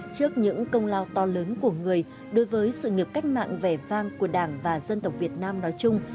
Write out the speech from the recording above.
trước những công lao to lớn của người đối với sự nghiệp cách mạng vẻ vang của đảng và dân tộc việt nam nói chung